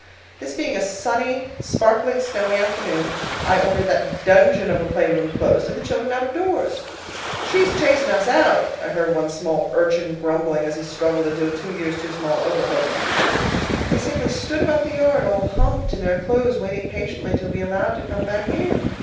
This being a sunny, sparkling, snowy afternoon, I ordered that dungeon of a playroom closed and the children out of doors. "She's chasin' us out," I heard one small urchin grumbling as he struggled into a two years too small overcoat. They simply stood about the yard, all humped in their clothes, waiting patiently to be allowed to come back in.